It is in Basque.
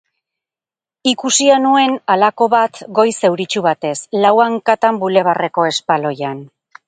Ikusia nuen halako bat goiz euritsu batez, lau hankan Bulebarreko espaloian.